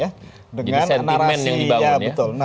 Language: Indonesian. jadi sentimen yang dibangun ya